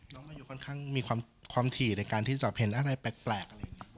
น้องมาอยู่ค่อนข้างมีความถี่ในการที่สอบเห็นอะไรแปลก